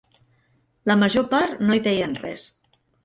La major part no hi deien res